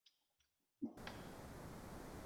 引申为无端招惹灾祸。